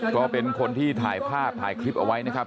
ก็เป็นคนที่ถ่ายภาพถ่ายคลิปเอาไว้นะครับ